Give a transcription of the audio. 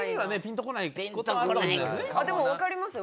でもわかりますよ。